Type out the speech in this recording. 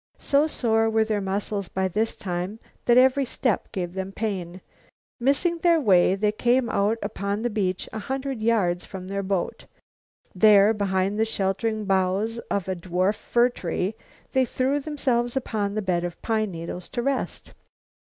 So sore were their muscles by this time that every step gave them pain. Missing their way, they came out upon the beach a hundred yards from their boat. There, behind the sheltering boughs of a dwarf fir tree they threw themselves upon the bed of pine needles to rest.